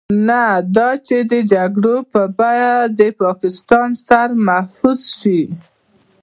نه دا چې د جګړو په بيه د پاکستان سر محفوظ شي.